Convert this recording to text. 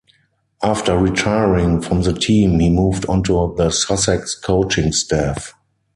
After retiring from the team, he moved onto the Sussex coaching staff.